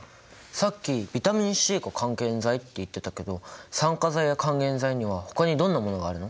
さっきビタミンＣが還元剤って言ってたけど酸化剤や還元剤にはほかにどんなものがあるの？